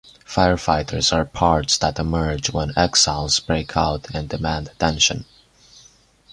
Firefighters are parts that emerge when exiles break out and demand attention.